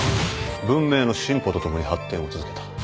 文明の進歩とともに発展を続けた